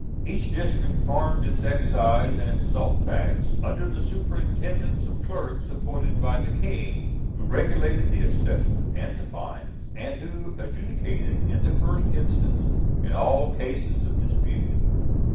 Each district farmed its excise and its salt tax, under the superintendence of clerks appointed by the King, who regulated the assessment and the fines, and who adjudicated in the first instance in all cases of dispute.